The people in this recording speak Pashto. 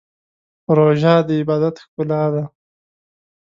روژه د عبادت ښکلا ده.